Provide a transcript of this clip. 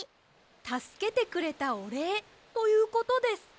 たすけてくれたおれいということです。